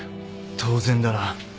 当然だな。